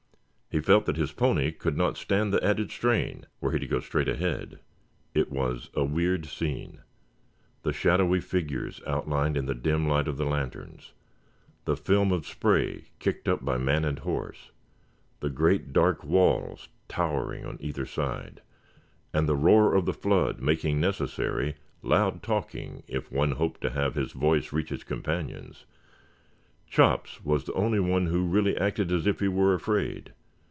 He felt that his pony could not stand the added strain were he to go straight ahead. It was a weird scene, the shadowy figures outlined in the dim light of the lanterns, the film of spray kicked up by man and horse, the great dark walls towering on either side, and the roar of the flood making necessary loud talking if one hoped to have his voice reach his companions. Chops was the only one who really acted as if he were afraid.